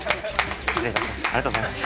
ありがとうございます。